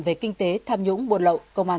về kinh tế tham nhũng buồn lậu công an